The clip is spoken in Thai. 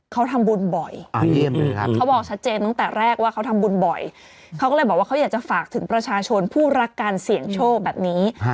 เขาทำบุญบ่อยเขาบอกชัดเจนตั้งแต่แรกว่าเขาทำบุญบ่อยเขาก็เลยบอกว่าเขาอยากจะฝากถึงประชาชนผู้รักการเสี่ยงโชคแบบนี้